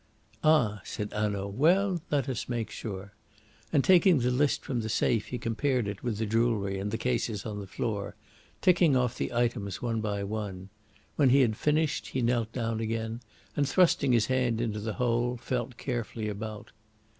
"Ah!" said Hanaud. "Well, let us make sure!" and, taking the list from the safe, he compared it with the jewellery in the cases on the floor, ticking off the items one by one. When he had finished he knelt down again, and, thrusting his hand into the hole, felt carefully about.